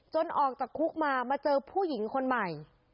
ออกจากคุกมามาเจอผู้หญิงคนใหม่